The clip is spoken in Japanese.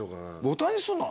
ボタンにすんの？